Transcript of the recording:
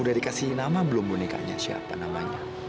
udah dikasih nama belum bonekanya siapa namanya